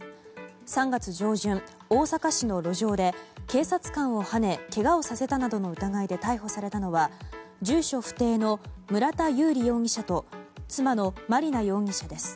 ３月上旬、大阪市の路上で警察官をはねけがをさせたなどの疑いで逮捕されたのは住所不定の村田佑利容疑者と妻の麻里奈容疑者です。